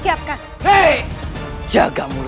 apel dengan waktu dibampu